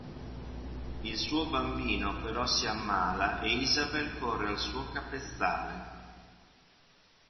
Il suo bambino però si ammala e Isabel corre al suo capezzale.